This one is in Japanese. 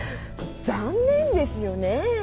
残念ですよね。